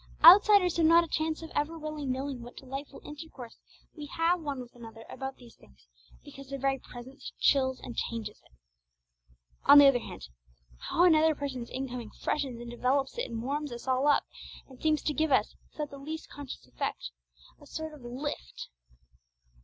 Outsiders have not a chance of ever really knowing what delightful intercourse we have one with another about these things, because their very presence chills and changes it. On the other hand, how another person's incoming freshens and develops it and warms us all up, and seems to give us, without the least conscious effort, a sort of _lift!